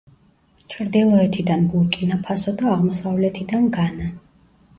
ჩრდილოეთიდან ბურკინა-ფასო და აღმოსავლეთიდან განა.